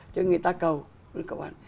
cho nên người ta cầu